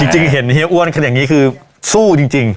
จริงเห็นเฮียอ้วนขนาดนี้คือสู้จริง